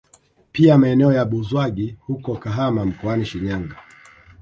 Pia maeneo ya Buzwagi huko Kahama mkoani Shinyanga